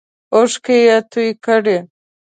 اوښکې یې تویی کړې.